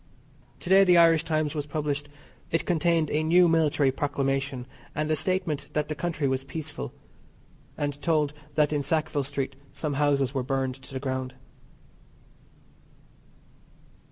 To day the Irish Times was published. It contained a new military proclamation, and a statement that the country was peaceful, and told that in Sackville Street some houses were burned to the ground.